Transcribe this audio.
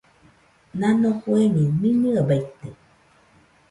Nano fueño miñɨe baite.